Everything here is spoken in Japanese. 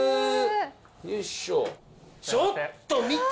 ちょっと見て！